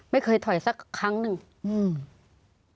ไม่เคยถอยสักครั้งนึง